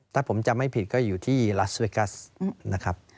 ถ้าผมจำไม่ผิดก็อยู่ที่รัสเวกัสนะครับ